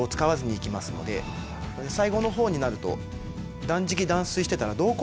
最後の方になると。